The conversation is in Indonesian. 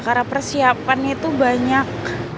karena persiapannya tuh banyak